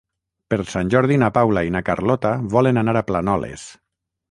Per Sant Jordi na Paula i na Carlota volen anar a Planoles.